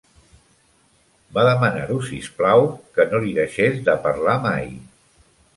Va demanar-ho, si us plau, que no li deixés de parlar mai.